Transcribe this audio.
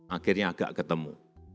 akhirnya agak ketemu